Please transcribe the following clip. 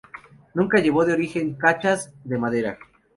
Nunca llevó de origen cachas de madera.